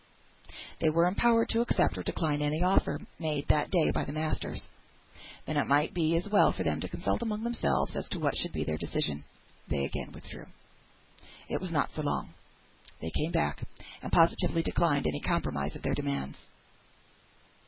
They were empowered to accept or decline any offer made that day by the masters. Then it might be as well for them to consult among themselves as to what should be their decision. They again withdrew. It was not for long. They came back, and positively declined any compromise of their demands.